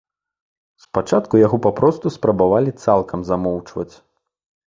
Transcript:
Спачатку яго папросту спрабавалі цалкам замоўчаць.